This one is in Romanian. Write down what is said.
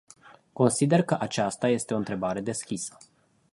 Consider că aceasta este o întrebare deschisă.